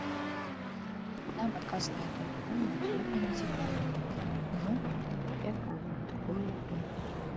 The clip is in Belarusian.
Нам адказ на гэтае пытанне абсалютна не цікавы, таму і адказваем такую лухту.